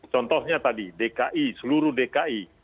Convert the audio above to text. contohnya tadi dki seluruh dki